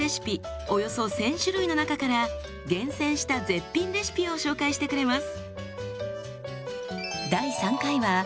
およそ１，０００種類の中から厳選した絶品レシピを紹介してくれます。